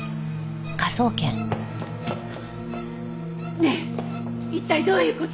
ねえ一体どういう事？